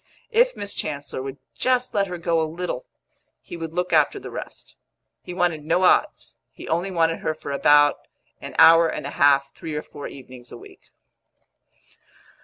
If Miss Chancellor would just let her go a little, he would look after the rest. He wanted no odds; he only wanted her for about an hour and a half three or four evenings a week.